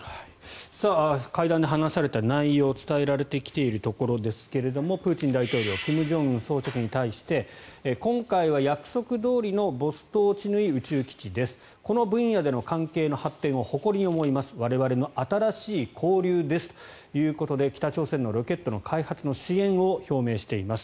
会談で話された内容伝えられてきているところですがプーチン大統領金正恩総書記に対して今回は約束どおりのボストーチヌイ宇宙基地ですこの分野での関係の発展を誇りに思います我々の新しい交流ですということで北朝鮮のロケットの開発の支援を表明しています。